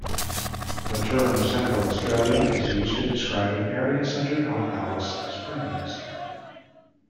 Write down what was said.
The term Central Australia is used to describe an area centred on Alice Springs.